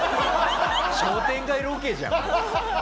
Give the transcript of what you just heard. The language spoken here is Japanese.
商店街ロケじゃんもう。